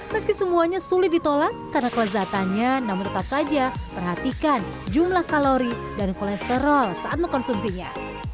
meski semuanya sulit ditolak karena kelezatannya namun tetap saja perhatikan jumlah kalori dan kolesterol saat mengkonsumsinya